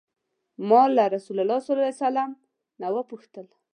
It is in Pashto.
ما له رسول الله صلی الله علیه وسلم نه وپوښتل.